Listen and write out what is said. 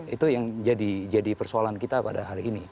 itu yang jadi persoalan kita pada hari ini